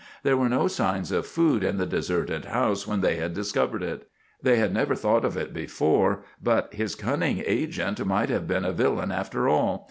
There were no signs of food in the deserted house when they had discovered it. They had never thought of it before, but his cunning agent might have been a villain after all.